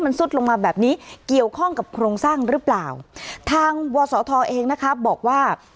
ซุดลงมาแบบนี้เกี่ยวข้องกับโครงสร้างหรือเปล่าทางวศธเองนะคะบอกว่า